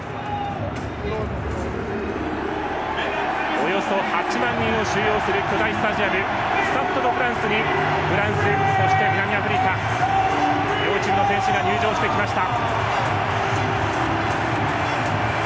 およそ８万人を収容する巨大スタジアムスタッド・ド・フランスにフランス、そして南アフリカ両チームの選手が入場してきました。